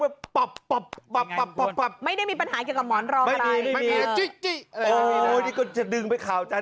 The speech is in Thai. นี่แหละครับตบหลังไปแบบปบบบบไม่ได้มีปัญหาเกี่ยวกับหมอนรองไม่มีไม่แบบจิ๊บ